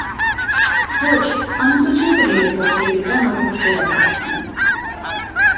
Ոչ, անմտություն կլիներ հոգսերի վրա նոր հոգսեր ավելացնել: